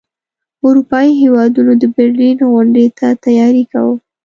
اروپايي هیوادونو د برلین غونډې ته تیاری کاوه.